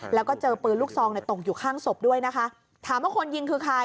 แล้วก็เจอปือลูกซองในตกอยู่ข้างสบด้วยนะคะถามว่าคนยิง